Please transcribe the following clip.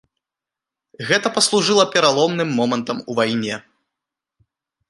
Гэта паслужыла пераломным момантам у вайне.